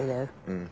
うん。